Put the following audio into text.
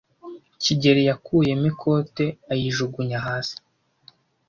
kigeli yakuyemo ikote ayijugunya hasi.